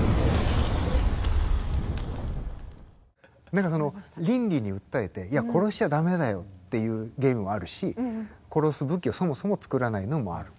何かその倫理に訴えていや殺しちゃ駄目だよっていうゲームもあるし殺す武器をそもそもつくらないのもある。